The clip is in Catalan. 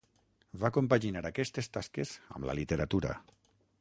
Va compaginar aquestes tasques amb la literatura.